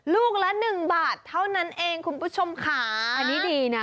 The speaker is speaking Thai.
ลูกละหนึ่งบาทเท่านั้นเองคุณผู้ชมค่ะอันนี้ดีนะ